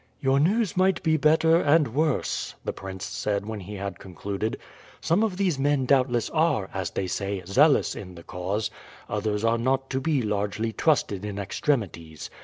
"Your news might be better, and worse," the prince said when he had concluded. "Some of these men doubtless are, as they say, zealous in the cause, others are not to be largely trusted in extremities.